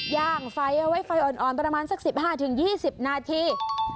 ย่างไฟเอาไว้ไฟอ่อนประมาณสัก๑๕๒๐นาที